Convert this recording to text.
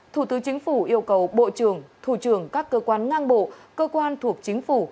thủ tướng chính phủ yêu cầu bộ trưởng thủ trưởng các cơ quan ngang bộ cơ quan thuộc chính phủ